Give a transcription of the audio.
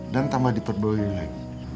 dan tambah diperboyu lagi